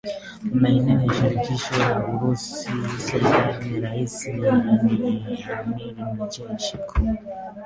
Maeneo ya Shirkisho la Urusi Serikali rais ni Amiri Jeshi Mkuu